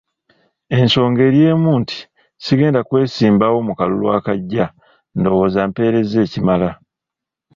Ensonga eri emu nti sigenda kwesimbawo mu kalulu akajja ndowooza mpeerezza ekimala.